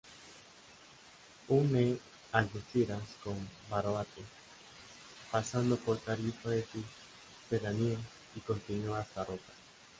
Une Algeciras con Barbate, pasando por Tarifa y sus pedanías, y continúa hasta Rota.